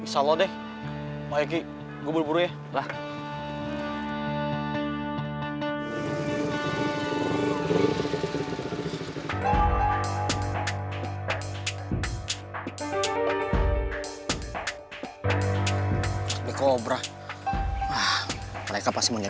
bulat putus sama si kemot